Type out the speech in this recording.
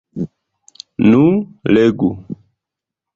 Nu, legu!